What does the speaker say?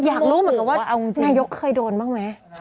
อยากรู้เหมือนกันว่านายกเคยโดนบ้างไหม